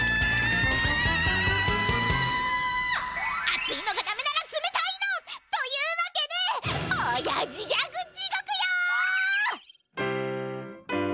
あついのがだめならつめたいの！というわけでおやじギャグ地獄よ！